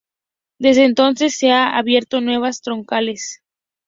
Desde entonces se han abierto nuevas troncales.